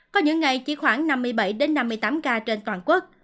có những ngày chỉ khoảng năm mươi bảy năm mươi tám ca trên toàn quốc